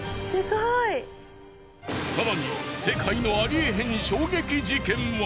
更に世界のありえへん衝撃事件は。